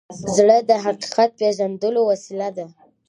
زړه د حقیقت پیژندلو وسیله ده.